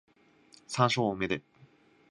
山椒多めで